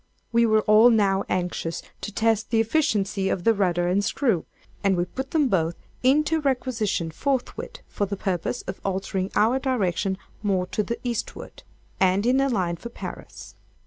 We were all now anxious to test the efficiency of the rudder and screw, and we put them both into requisition forthwith, for the purpose of altering our direction more to the eastward, and in a line for Paris.